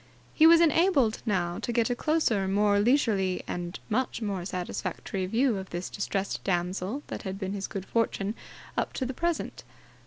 He was enabled now to get a closer, more leisurely and much more satisfactory view of this distressed damsel than had been his good fortune up to the present.